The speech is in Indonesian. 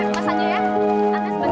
anda sebagai anak anak dari pak